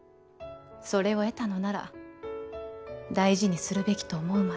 それを得たのなら大事にするべきと思うまで。